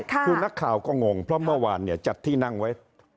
คือนักข่าวก็งงเพราะเมื่อวานจัดที่นั่งไว้